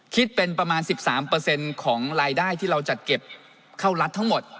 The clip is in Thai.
คิดเป็นประมาณ๑๓ของรายได้ที่เราจัดเก็บเข้ารัฐทั้งหมด